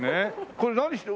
これ何してる？